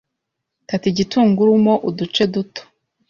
Kata igitunguru mo uduce duto